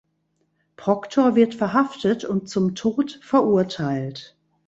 Proctor wird verhaftet und zum Tod verurteilt.